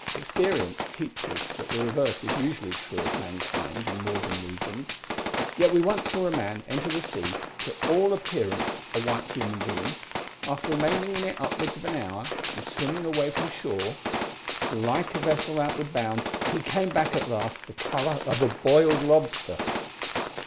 Experience teaches that the reverse is usually true of mankind in northern regions, yet we once saw a man enter the sea to all appearance a white human being, after remaining in it upwards of an hour, and swimming away from shore; like a vessel outward bound, he came back at last the colour of a boiled lobster!